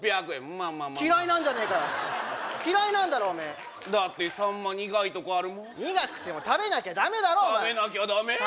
まあまあ嫌いなんじゃねえか嫌いなんだろおめえだってサンマ苦いとこあるもん苦くても食べなきゃダメだろ食べなきゃダメ？